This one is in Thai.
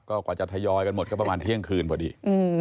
ก็กว่าจะทยอยกันหมดก็ประมาณเที่ยงคืนพอดี